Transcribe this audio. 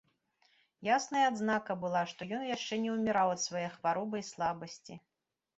Ясная адзнака была, што ён яшчэ не ўміраў ад свае хваробы і слабасці.